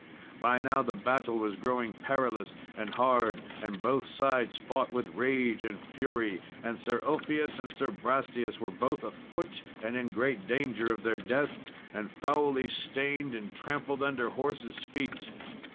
By now the battle was growing perilous and hard, and both sides fought with rage and fury. And Sir Ulfius and Sir Brastias were both afoot and in great danger of their death, and foully stained and trampled under horses' feet.